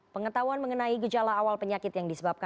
pengetahuan mengenai gejala awal penyakit yang disebabkan